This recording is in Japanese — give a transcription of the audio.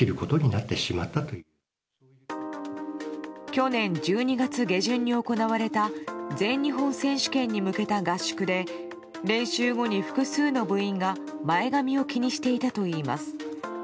去年１２月下旬に行われた全日本選手権に向けた合宿で練習後に複数の部員が前髪を気にしていたといいます。